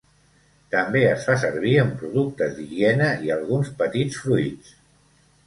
També es fa servir en productes d'higiene i alguns petits fruits.